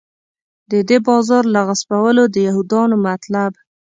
د دې بازار له غصبولو د یهودانو مطلب.